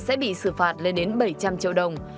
sẽ bị xử phạt lên đến bảy trăm linh triệu đồng